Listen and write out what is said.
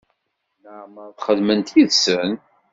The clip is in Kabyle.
Laɛmeṛ i txedmemt yid-sen?